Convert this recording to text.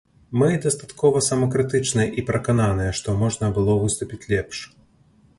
Мы дастаткова самакрытычныя і перакананыя, што можна было выступіць лепш.